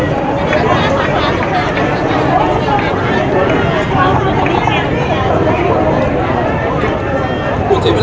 เราที่ผ่านมามันเป็นอย่างอย่างมูลิสุทธิ์ใกล้